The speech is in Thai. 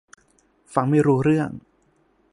ฟังไม่รู้เรื่อง